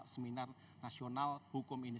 seminar nasional hukum ini